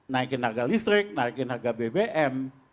naikin harga listrik naikin harga bbm